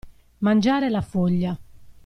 Mangiare la foglia.